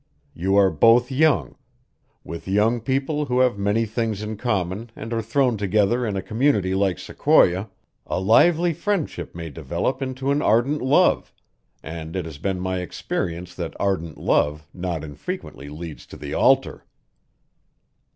You are both young; with young people who have many things in common and are thrown together in a community like Sequoia, a lively friendship may develop into an ardent love; and it has been my experience that ardent love not infrequently leads to the altar."